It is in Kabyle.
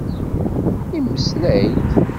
Yemmeslay-d.